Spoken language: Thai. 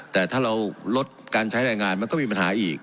แต่ถ้าเราลดการใช้แรงงานมันก็มีปัญหาอีก